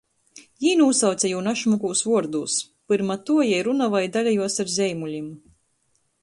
Jī nūsauce jū našmukūs vuordūs. Pyrma tuo jei runuoja i dalejuos ar zeimulim.